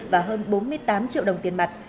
và hơn bốn mươi tám triệu đồng tiền mặt